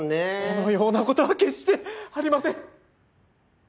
そのような事は決してありません。